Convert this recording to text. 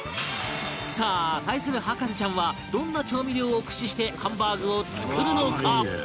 さあ対する博士ちゃんはどんな調味料を駆使してハンバーグを作るのか？